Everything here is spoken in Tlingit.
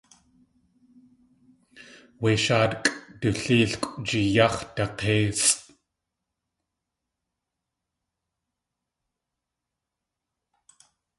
Wé shaatkʼ du léelkʼw jiyáx̲ dak̲éisʼ.